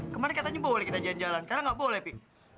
kemaren katanya boleh kita jalan jalan sekarang nggak boleh pi